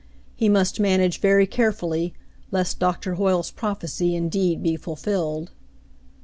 He must manage very carefully, lest Doctor Hoyle's prophecy indeed be fulfilled.